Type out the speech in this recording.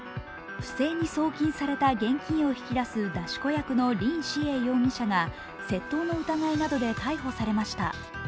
不正に送金された現金を引き出す出し子役の林志偉容疑者が窃盗の疑いなどで逮捕されました。